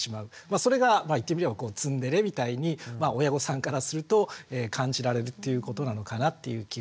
それが言ってみればツンデレみたいに親御さんからすると感じられるっていうことなのかなっていう気がします。